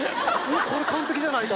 「これ完璧じゃないか？」